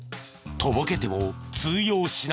とぼけても通用しない。